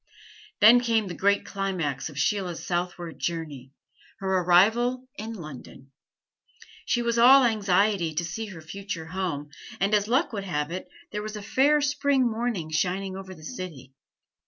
Then came the great climax of Sheila's southward journey her arrival in London. She was all anxiety to see her future home; and as luck would have it, there was a fair spring morning shining over the city.